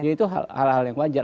ya itu hal hal yang wajar